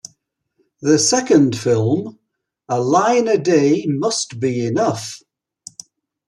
The second film - A Line A Day Must Be Enough!